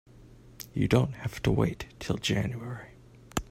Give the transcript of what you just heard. You don't have to wait till January.